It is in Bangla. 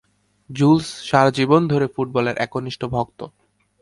জুলস সারা জীবন ধরে ফুটবলের একনিষ্ঠ ভক্ত।